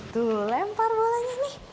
tuh lempar bolanya nih